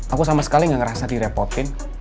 aku sama sekali gak ngerasa direpotin